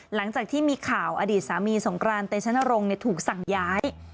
หลังจากที่มีข่าวอดีตสามีสงกรานเตชนรงค์ถูกสั่งย้าย